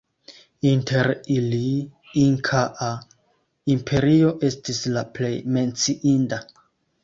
Inter ili Inkaa Imperio estis la plej menciinda.